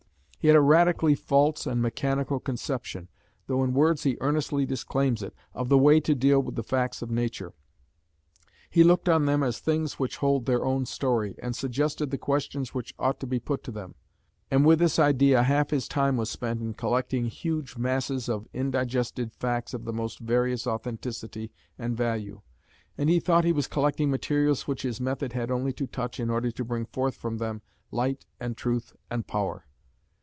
He had a radically false and mechanical conception, though in words he earnestly disclaims it, of the way to deal with the facts of nature. He looked on them as things which told their own story, and suggested the questions which ought to be put to them; and with this idea half his time was spent in collecting huge masses of indigested facts of the most various authenticity and value, and he thought he was collecting materials which his method had only to touch in order to bring forth from them light and truth and power.